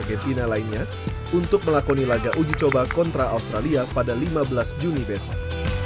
dan juga melakukan pertempuran untuk melakukan pertempuran kontra australia pada lima belas juni besok